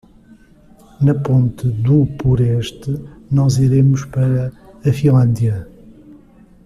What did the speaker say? Na ponte do Purest nós iremos para a Finlândia.